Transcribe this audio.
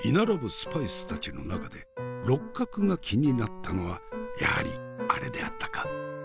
スパイスたちの中で六角が気になったのはやはりアレであったか！